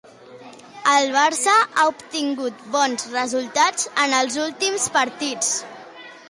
El Barça ha obtingut bons resultats en els últims partits?